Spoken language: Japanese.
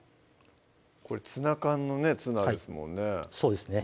これツナ缶のツナですもんね